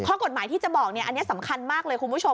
ข้อกฎหมายที่จะบอกอันนี้สำคัญมากเลยคุณผู้ชม